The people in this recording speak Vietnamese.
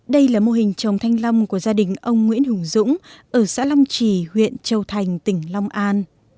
đây là mô hình trồng thanh long của gia đình ông nguyễn hùng dũng ở xã long trì huyện châu thành tỉnh long an